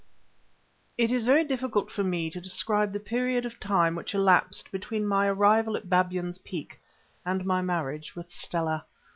It is very difficult for me to describe the period of time which elapsed between my arrival at Babyan's Peak and my marriage with Stella.